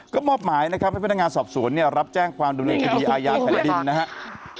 ก็มอบหมายให้พ่อนักงานสอบสวนรับแจ้งความดูแลคดีอายาธรรมดินนะครับ